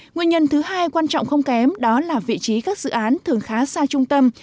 nguyên nhân thứ hai quan trọng không kém đó là vị trí các dự án thường khá xa trung tâm